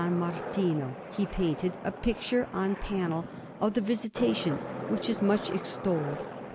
Martino, he painted a picture on panel of the Visitation, which is much extolled.